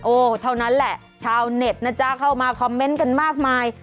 เท่านั้นแหละชาวเน็ตนะจ๊ะเข้ามาคอมเมนต์กันมากมาย